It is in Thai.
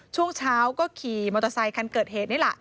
ช่วงเช้าก็ขี่มอเตอร์ไซคันเกิดเหตุนี่แหละ